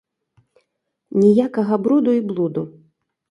Ніякага бруду й блуду.